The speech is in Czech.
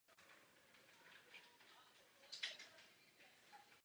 Nejlepších výsledků s vozem dosáhl Mark Higgins.